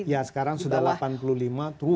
ya sekarang sudah delapan puluh lima